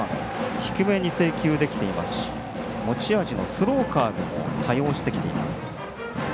低めに制球できていますし持ち味のスローカーブも多用してきています。